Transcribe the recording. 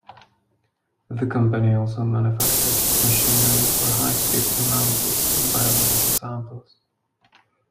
The company also manufactures machinery for high speed analysis of biological samples.